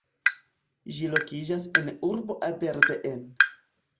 Ĝi lokiĝas en urbo Aberdeen.